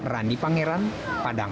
randi pangeran padang